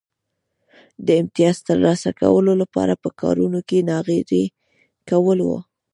د امیتاز ترلاسه کولو لپاره په کارونو کې ناغېړي کول و